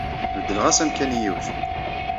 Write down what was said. Beddleɣ-as amkan i yiwet.